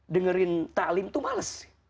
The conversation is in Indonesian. dengerin ta'lim tuh males